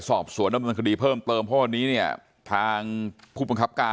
สอบสวนนบคดีเพิ่มเติมเพราะวันนี้เนี่ยทางผู้ปเกรัพกา